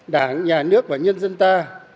đảng nhà nước và nhân dân ta